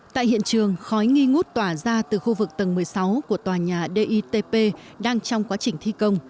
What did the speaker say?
tại hiện trường khói nghi ngút tỏa ra từ khu vực tầng một mươi sáu của tòa nhà ditp đang trong quá trình thi công